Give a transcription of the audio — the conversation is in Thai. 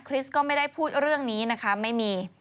ริสก็ไม่ได้พูดเรื่องนี้นะคะไม่มี